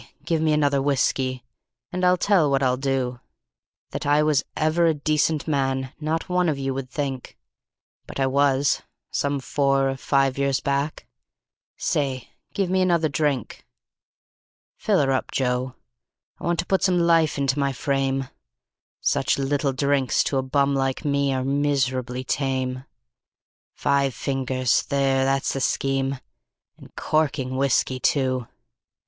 Give me another whiskey, and I'll tell what I'll do That I was ever a decent man not one of you would think; But I was, some four or five years back. Say, give me another drink. "Fill her up, Joe, I want to put some life into my frame Such little drinks to a bum like me are miserably tame; Five fingers there, that's the scheme and corking whiskey, too.